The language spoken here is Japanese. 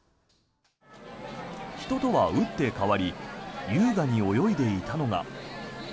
人とは打って変わり優雅に泳いでいたのが。